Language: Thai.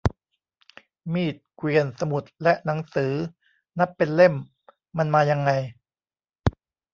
มีด เกวียน สมุดและหนังสือ นับเป็นเล่ม มันมายังไง